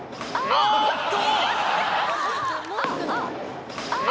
あーっと！